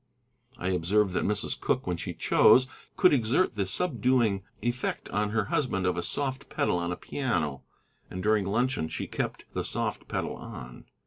I observed that Mrs. Cooke, when she chose, could exert the subduing effect on her husband of a soft pedal on a piano; and during luncheon she kept, the soft pedal on.